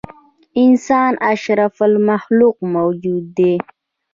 انسان اشرف المخلوق موجود دی.